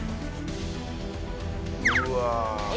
うわ。